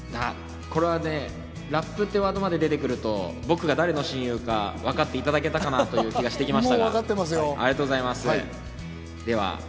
ラップっていうワードまで出てくると、僕が僕の親友が誰か分かっていただけたかな？という気がしてきました。